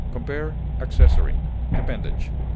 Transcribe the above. Compare ACCESSORY; APPENDAGE.